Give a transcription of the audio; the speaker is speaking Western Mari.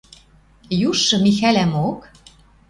Южшы Михӓлӓмок